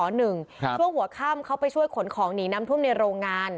ช่วงหัวค่ำเขาไปช่วยขนของหนีน้ำท่วมในโรงงาน